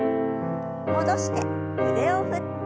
戻して腕を振って。